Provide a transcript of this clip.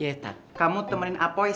iya tat kamu temenin apois